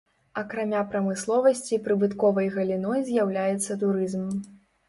Акрамя прамысловасці прыбытковай галіной з'яўляецца турызм.